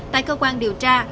tại cơ quan điều tra